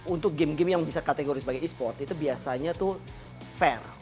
untuk game game yang bisa dikategoris sebagai esports itu biasanya tuh fair